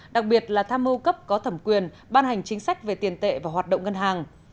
đặc biệt là tham mưu cấp có thẩm quyền ban hành chính sách về tiền tệ và hoạt động ngân hàng